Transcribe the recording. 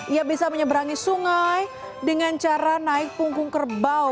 ia bisa menyeberangi sungai dengan cara naik punggung kerbau